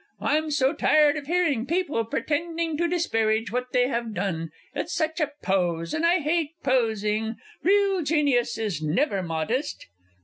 I'm so tired of hearing people pretending to disparage what they have done, it's such a pose, and I hate posing. Real genius is never modest.